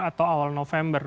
atau awal november